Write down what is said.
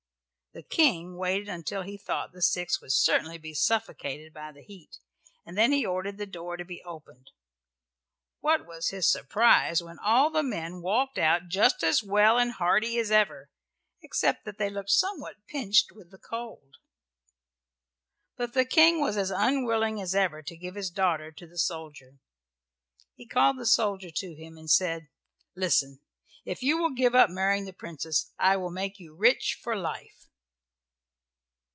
The King waited until he thought the six would certainly be suffocated by the heat, and then he ordered the door to be opened. What was his surprise when all the men walked out just as well and hearty as ever, except that they looked somewhat pinched with the cold. But the King was as unwilling as ever to give his daughter to the soldier. He called the soldier to him and said, "Listen, if you will give up marrying the Princess I will make you rich for life."